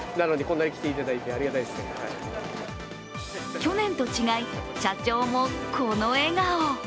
去年と違い、社長もこの笑顔。